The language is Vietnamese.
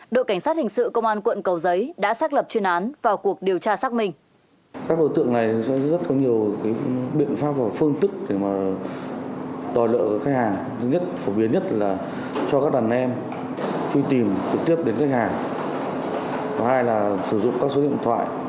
đội cảnh sát hình sự công an quận cầu giấy đã xác lập chuyên án vào cuộc điều tra xác minh